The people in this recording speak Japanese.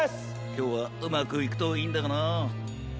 きょうはうまくいくといいんだがな。